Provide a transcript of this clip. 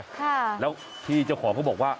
ค่ะแล้วที่เจ้าของเขาบอกว่า